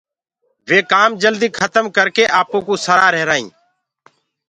وي ڪآم جلدي کتم ڪروآ ڪي ڪري آپو ڪوُ سرآ رهيرآ هينٚ۔